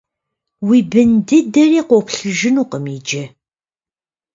Уи бын дыдэри къоплъыжынукъым иджы.